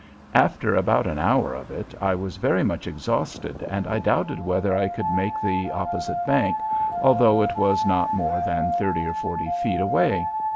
After about an hour of it I was very much exhausted and I doubted whether I could make the opposite bank, although it was not more than thirty or forty feet away.